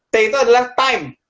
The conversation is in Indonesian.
t itu adalah time